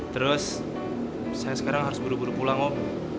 terus saya sekarang harus buru buru pulang om